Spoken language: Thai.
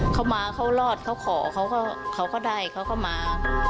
เขามาเขารอดเขาขอเขาก็ได้เขาก็มา